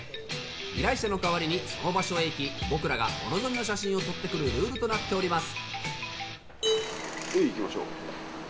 依頼者の代わりにその場所へ行き僕らがお望みの写真を撮ってくるルールとなっております。